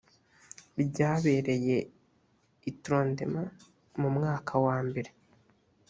ryabereye i trondheim mu mwaka wa mbere